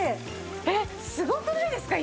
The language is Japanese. えっすごくないですか？